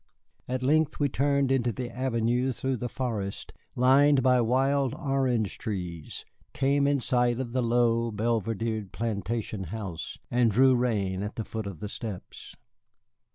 At length we turned into the avenue through the forest, lined by wild orange trees, came in sight of the low, belvedered plantation house, and drew rein at the foot of the steps.